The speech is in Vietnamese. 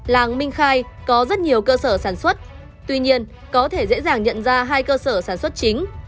làng minh khai có rất nhiều cơ sở sản xuất tuy nhiên có thể dễ dàng nhận ra hai cơ sở sản xuất chính